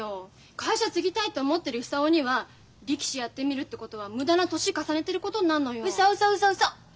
会社継ぎたいって思ってる久男には力士やってみるってことは無駄な年重ねてることになんのよ。うそうそうそうそ。